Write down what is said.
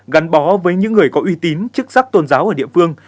gắn bó với những người có uy tín chức sắc tôn giáo ở địa phương